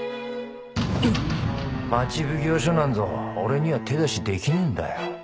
町奉行所なんぞ俺には手出しできねぇんだよ